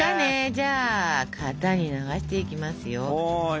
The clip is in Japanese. じゃあ型に流していきますよ。